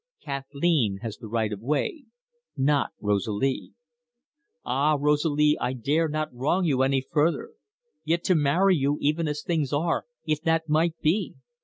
Kathleen has the right of way, not Rosalie. Ah, Rosalie, I dare not wrong you further. Yet to marry you, even as things are, if that might be!